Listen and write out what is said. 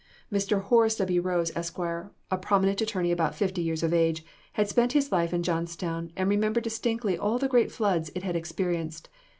Mr. Horace W. Rose, Esq., a prominent attorney about fifty years of age, had spent his life in Johnstown, and remembered distinctly all the great floods it had experienced.